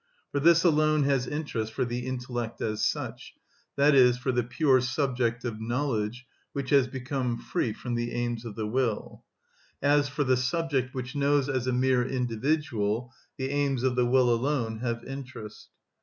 For this alone has interest for the intellect as such, i.e., for the pure subject of knowledge which has become free from the aims of the will; as for the subject which knows as a mere individual the aims of the will alone have interest.